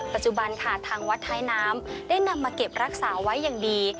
ปัจจุบันค่ะทางวัดท้ายน้ำได้นำมาเก็บรักษาไว้อย่างดี